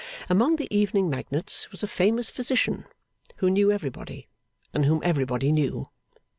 Among the evening magnates was a famous physician, who knew everybody, and whom everybody knew.